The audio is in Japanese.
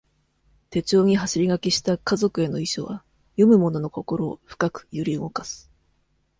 手帳に走り書きした家族への遺書は、読む者の心を、深く揺り動かす。